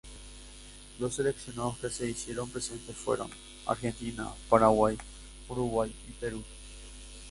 Los seleccionados que se hicieron presentes fueron: Argentina, Paraguay, Uruguay y Perú.